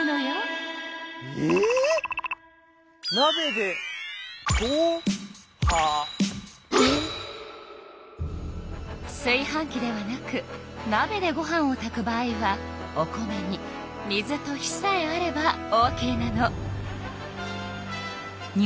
なべですい飯器ではなくなべでご飯を炊く場合はお米に水と火さえあればオーケーなの。